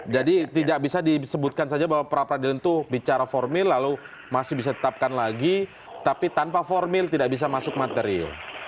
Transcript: tidak bisa disebutkan saja bahwa peradilan itu bicara formil lalu masih bisa tetapkan lagi tapi tanpa formil tidak bisa masuk materi